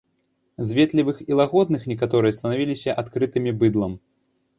З ветлівых і лагодных некаторыя станавіліся адкрытымі быдлам.